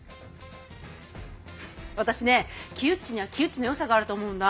私ねキウッチにはキウッチのよさがあると思うんだ。